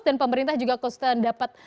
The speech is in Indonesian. dan pemerintah juga konstan dapat